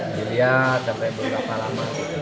dilihat sampai berapa lama